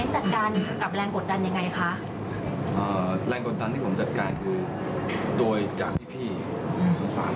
อเจมส์แรงกดดันที่ผมจัดการคือโดยจากพี่พี่ทั้ง๓คน